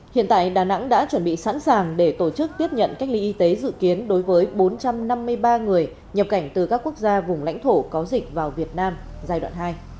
hiện tại đà nẵng đã chuẩn bị sẵn sàng để tổ chức tiếp nhận cách ly y tế dự kiến đối với bốn trăm năm mươi ba người nhập cảnh từ các quốc gia vùng lãnh thổ có dịch vào việt nam giai đoạn hai